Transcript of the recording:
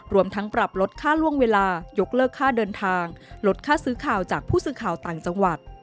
รวมทั้งปรับลดค่าล่วงเวลายกเลิกค่าเดินทางลดค่าซื้อข่าวจากผู้สื่อข่าวต่างจังหวัด